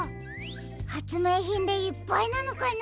はつめいひんでいっぱいなのかな？